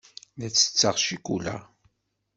La ttetteɣ ccikula.